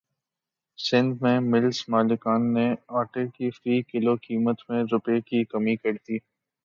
سندھ میں ملز مالکان نے اٹے کی فی کلو قیمت میں روپے کی کمی کردی